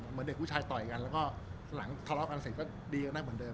เหมือนเด็กผู้ชายต่อยกันแล้วก็หลังทะเลาะกันเสร็จก็ดีกันได้เหมือนเดิ